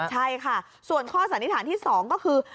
ใช่ค่ะส่วนข้อสันนิษฐานที่๒ก็คือ